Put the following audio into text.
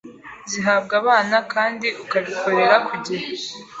zihabwa abana kandi ukabikorera ku gihe.